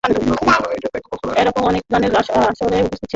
এরকম অনেক গানের আসরে উপস্থিত ছিলেন বাংলাদেশের জাতীয় কবি কাজী নজরুল ইসলাম।